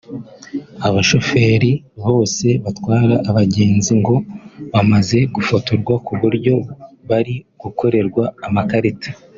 Abashoferi bose batwara abagenzi ngo bamaze gufotorwa ku buryo bari gukorerwa amakarita